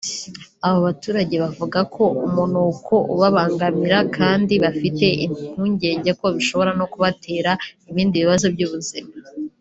Aba baturage bavuga ko umunuko ubabangamira kandi bafite impungenge ko bishobora no kubatera ibindi bibazo by’ubuzima